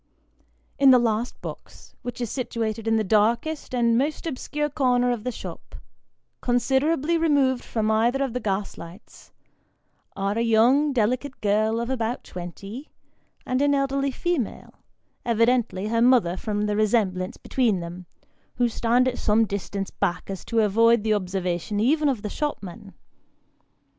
In the last box, which is situated in the darkest and most obscure Sympathy. 143 corner of the shop, considerably removed from cither of the gas lights, are a young delicate girl of about twenty, and an elderly female, evidently her mother from the resemblance between them, who stand at some distance back, as if to avoid the observation even of the shop man.